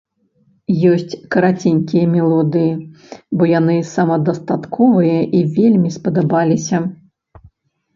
Ёсць караценькія мелодыі, бо яны самадастатковыя і вельмі спадабаліся.